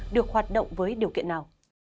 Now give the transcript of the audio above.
được hoạt động với điều kiện nào